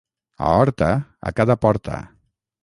A Horta, a cada porta.